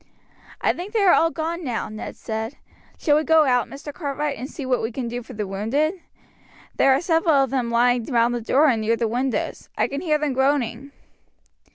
"I think they are all gone now," Ned said. "Shall we go out, Mr. Cartwright, and see what we can do for the wounded? There are several of them lying round the door and near the windows. I can hear them groaning."